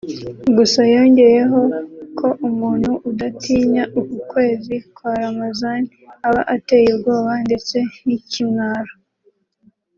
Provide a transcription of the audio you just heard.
Gusa yongeyeho ko umuntu udatinya uku kwezi kwa Ramazani aba ateye ubwoba ndetse n’ikimwaro